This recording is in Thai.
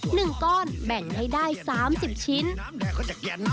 หนึ่งก้อนแบ่งให้ได้๓๐ชิ้น